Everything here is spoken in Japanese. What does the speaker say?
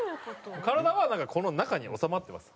体はだからこの中に納まってます